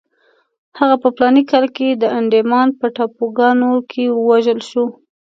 هغه په فلاني کال کې د انډیمان په ټاپوګانو کې ووژل شو.